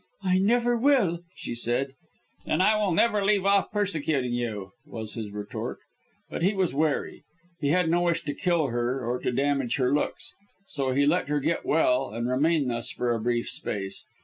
"I never will!" she said. "Then I will never leave off persecuting you," was his retort. But he was wary. He had no wish to kill her or to damage her looks so he let her get well and remain thus for a brief space.